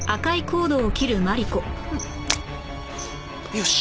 よし！